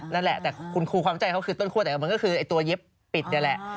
นั่นแหละแต่คุณครูความใจเขาคือต้นคั่วแต่มันก็คือไอ้ตัวเย็บปิดนี่แหละ